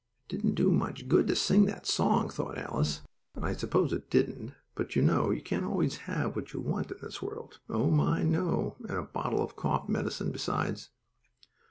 "It didn't do much good to sing that song," thought Alice, and I suppose it didn't, but you know you can't always have what you want in this world. Oh, my, no, and a bottle of cough medicine besides.